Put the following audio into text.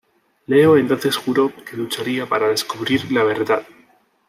Leo entonces juró que lucharía para descubrir la verdad.